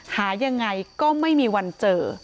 หายังไงก็ไม่มีวันเจอ